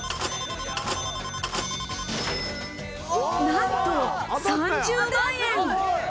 なんと、３０万円。